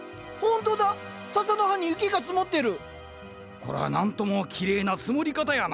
こら何ともきれいな積もり方やな。